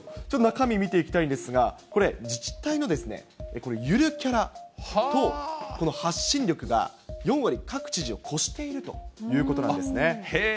ちょっと中身見ていきたいんですが、これ、自治体のゆるキャラとこの発信力が４割、各知事を超しているということなんですね。